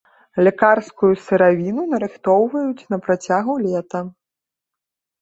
Лекарскую сыравіну нарыхтоўваюць на працягу лета.